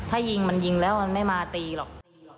ถ้ายิงมันยิงแล้วมันไม่มาตีหรอก